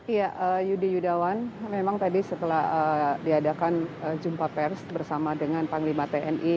ya yudi yudawan memang tadi setelah diadakan jumpa pers bersama dengan panglima tni